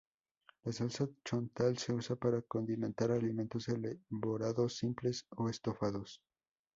La salsa Chontal se usa para condimentar alimentos elaborados simples o estofados.